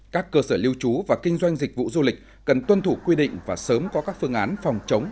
các cơ sở lưu trú và kinh doanh dịch vụ du lịch cần tuân thủ quy định và sớm có các phương án phòng chống